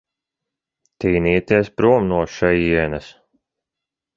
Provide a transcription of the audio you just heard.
Tinieties prom no šejienes.